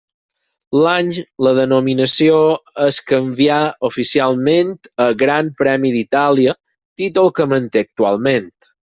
L'any la denominació es canvià oficialment a Gran Premi d'Itàlia, títol que manté actualment.